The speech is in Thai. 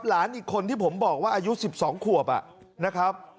หลานอีกคนที่ผมบอกว่าอายุ๑๒ขวบนะครับ